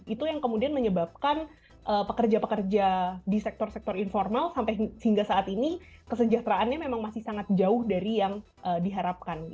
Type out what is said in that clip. itu yang kemudian menyebabkan pekerja pekerja di sektor sektor informal sampai saat ini kesejahteraannya memang masih sangat jauh dari yang diharapkan